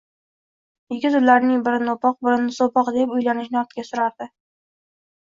Yigit ularning birini o`poq, birini so`poq deb uylanishni ortga surardi